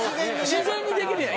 自然にできるやん。